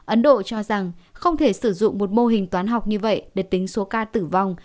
ấn độ cho rằng không thể sử dụng một mô hình toán học như vậy để tính số ca tử vong